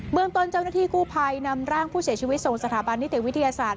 เมืองต้นเจ้าหน้าที่กู้ภัยนำร่างผู้เสียชีวิตส่งสถาบันนิติวิทยาศาสตร์